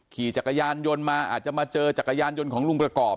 ขี่จักรยานยนต์มาอาจจะมาเจอจักรยานยนต์ของลุงประกอบ